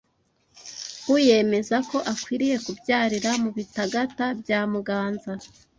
uyemeza ko akwiye kubyarira mu Bitagata bya Muganza